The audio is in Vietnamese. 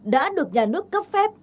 đã được nhà nước cấp phép